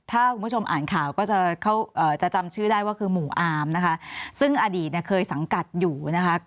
ถ้าคุณผู้ชมอ่านข่าวก็จะจำชื่อได้ว่าคือหมู่อามนะคะซึ่งอดีตเนี่ยเคยสังกัดอยู่นะคะ